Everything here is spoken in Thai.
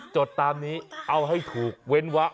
จดตามนี้เอาให้ถูกเว้นวะ